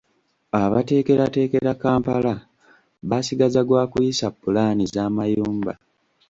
Abateekerateekera Kampala baasigaza gwa kuyisa ppulaani z’amayumba.